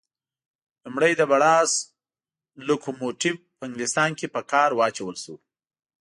لومړی د بړاس لکوموټیف په انګلیستان کې په کار واچول شو.